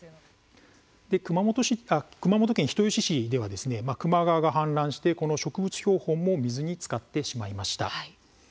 熊本県人吉市では球磨川が氾濫してこの植物標本も水につかってしまいました。